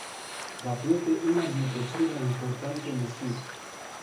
Va pierde una dintre cele mai importante măsuri.